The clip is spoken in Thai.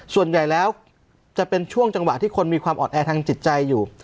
ส่วนใหญ่แล้วจะเป็นช่วงจังหวะที่คนมีความอ่อนแอทางจิตใจอยู่